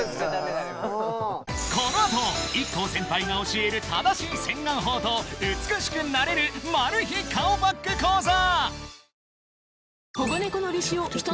この後ＩＫＫＯ先輩が教える正しい洗顔法と美しくなれる顔パック講座！